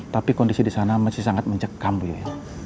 tapi kondisi disana masih sangat mencekam bu yoyo